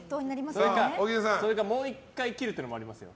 もう１回切るっていうのもありますよ。